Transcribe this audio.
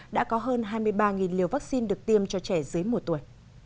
đã có hơn hai mươi ba liều vaccine được tiêm cho trẻ dưới một tuổi